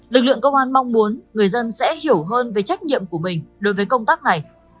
lực lượng công an mong muốn người dân sẽ hiểu hơn về trách nhiệm của mình đối với công tác này